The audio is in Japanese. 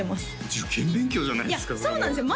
受験勉強じゃないですかそれいやそうなんですよ